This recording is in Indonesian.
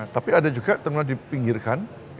tapi ada juga ternyata dipinggirkan